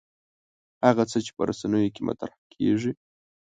هغه څه چې په رسنیو کې مطرح کېږي.